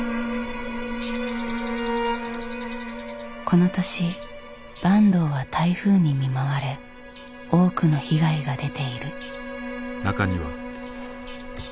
この年坂東は台風に見舞われ多くの被害が出ている。